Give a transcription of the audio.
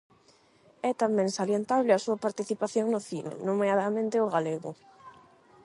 É tamén salientable a súa participación no cine, nomeadamente o galego.